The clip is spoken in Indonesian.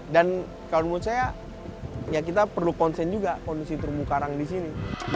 dan kalau menurut saya ya kita perlu konsen juga kondisi terumbu karang di sini